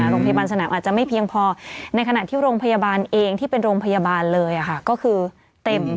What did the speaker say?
โรงพยาบาลสนามอาจจะไม่เพียงพอในขณะที่โรงพยาบาลเองที่เป็นโรงพยาบาลเลยก็คือเต็ม